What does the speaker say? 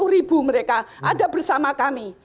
dua ratus lima puluh ribu mereka ada bersama kami